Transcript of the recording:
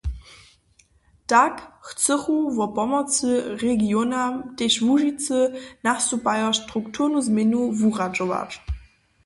Tak chcychu wo pomocy regionam, tež Łužicy, nastupajo strukturnu změnu wuradźować.